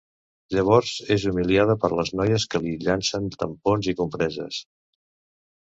Llavors és humiliada per les noies que li llencen tampons i compreses.